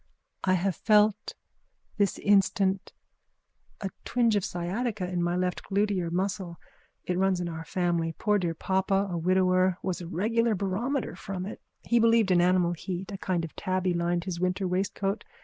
I have felt this instant a twinge of sciatica in my left glutear muscle. It runs in our family. Poor dear papa, a widower, was a regular barometer from it. He believed in animal heat. A skin of tabby lined his winter waistcoat.